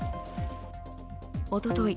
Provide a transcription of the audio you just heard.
おととい